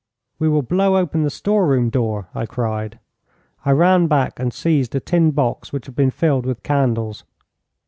'We will blow open the store room door,' I cried. I ran back and seized a tin box which had been filled with candles.